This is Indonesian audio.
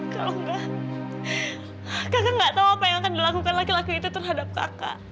kalau enggak kakak gak tahu apa yang akan dilakukan laki laki itu terhadap kakak